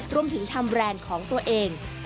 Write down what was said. รวมถึงทำแบรนด์ของตัวเอง